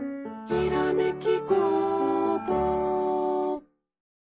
「ひらめき」